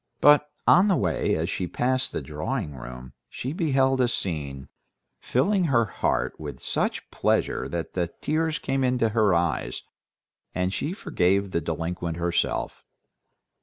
But on the way, as she passed the drawing room, she beheld a scene, filling her heart with such pleasure that the tears came into her eyes, and she forgave the delinquent herself.